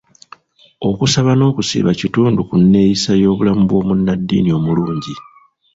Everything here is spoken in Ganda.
Okusaba n'okusiiba kitundu ku neeyisa y'obulamu bw'omunnadddiini omulungi.